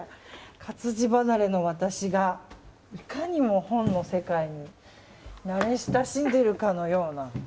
活字離れの私がいかにも本の世界に慣れ親しんでるかのような。